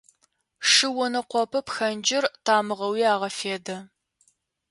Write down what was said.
Шы онэкъопэ пхэнджыр тамыгъэуи агъэфедэ.